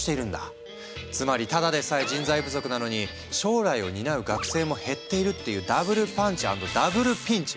つまりただでさえ人材不足なのに将来を担う学生も減っているっていうダブルパンチ＆ダブルピンチ！